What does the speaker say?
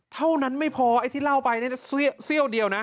เท่านั้นไม่พอไอ้ที่เล่าไปเสี้ยวเดียวนะ